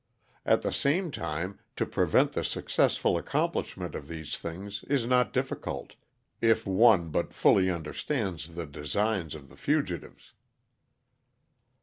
At the same time, to prevent the successful accomplishment of these things is not difficult, if one but fully understands the designs of the fugitives.